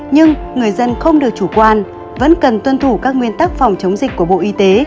nhưng người dân không được chủ quan vẫn cần tuân thủ các nguyên tắc phòng chống dịch của bộ y tế